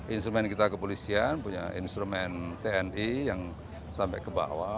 instrumen kita kepolisian punya instrumen tni yang sampai ke bawah